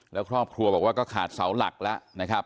แล้วครอบครัวบอกว่าก็ขาดเสาหลักแล้วนะครับ